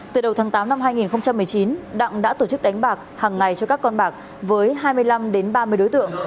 từ đầu tháng tám năm hai nghìn một mươi chín đặng đã tổ chức đánh bạc hàng ngày cho các con bạc với hai mươi năm ba mươi đối tượng